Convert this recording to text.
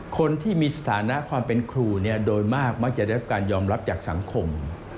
คนที่มีสถานะความเป็นครูโดยมากมักจะได้รับการยอมรับจากสังคม